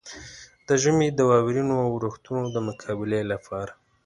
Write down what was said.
د ژمي د واورينو اورښتونو د مقابلې لپاره.